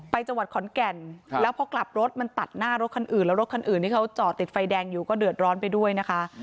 จังหวัดขอนแก่นแล้วพอกลับรถมันตัดหน้ารถคันอื่นแล้วรถคันอื่นที่เขาจอดติดไฟแดงอยู่ก็เดือดร้อนไปด้วยนะคะ